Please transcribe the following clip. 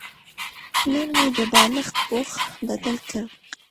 نن مې د بالښت پوښ بدل کړ.